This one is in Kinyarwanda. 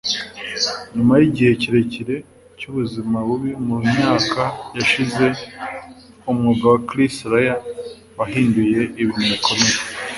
Nyuma y'igihe kirekire cy'ubuzima bubi mu myaka yashize, umwuga wa Chris Rea wahinduye ibintu bikomeye.